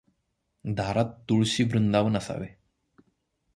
दारात तुळशी वृंदावन असावे.